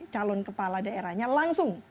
calon kepala daerahnya langsung